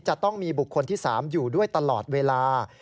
จะต้องมีบุคคลที่๓อยู่ด้วยตลอดเวลา